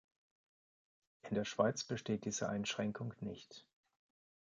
In der Schweiz besteht diese Einschränkung nicht.